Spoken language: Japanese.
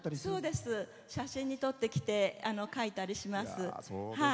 写真に撮ってきて描いたりします。